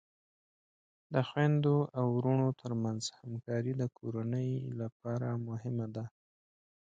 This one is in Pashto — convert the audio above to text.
د خویندو او ورونو ترمنځ همکاری د کورنۍ لپاره مهمه ده.